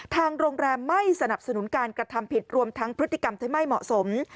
ทางโรงแรมไม่สนับสนุนการกระทำผิดรวมทั้งพฤติกรรมที่ไม่เหมาะสม